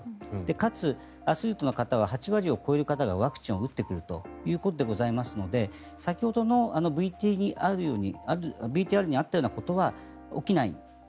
かつ、アスリートの方は８割を超える方がワクチンを打ってくるということですので先ほどのＶＴＲにあったようなことは起きない。